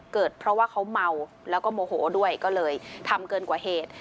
เกิดเพราะว่าเขาเมาแล้วก็โมโหด้วยก็เลยทำเกินกว่าเหตุ